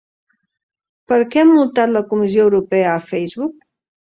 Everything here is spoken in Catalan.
Per què ha multat la Comissió Europea a Facebook?